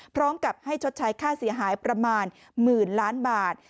พร้อมกับให้ชดใช้ค่าเสียหายประมาณหมื่นล้านบาท